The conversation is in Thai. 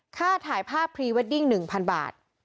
ค่าถ่ายภาพพรีเวดดิ้ง๑๐๐บาท